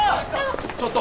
ちょっと！